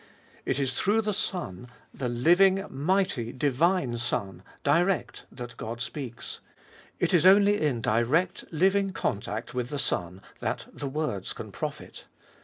It is through the Son — the living, mighty, divine Son, direct — that God speaks : it is only in direct living contact with the Son that the words can profit.